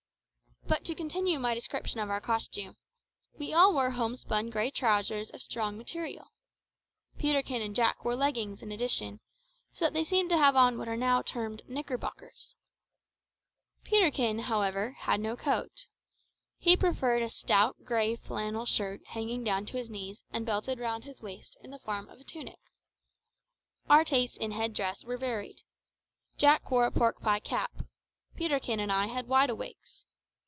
But to continue my description of our costume. We all wore homespun grey trousers of strong material. Peterkin and Jack wore leggings in addition, so that they seemed to have on what are now termed knickerbockers. Peterkin, however, had no coat. He preferred a stout grey flannel shirt hanging down to his knees and belted round his waist in the form of a tunic. Our tastes in headdress were varied. Jack wore a pork pie cap; Peterkin and I had wide awakes.